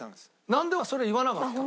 なんでそれ言わなかったの？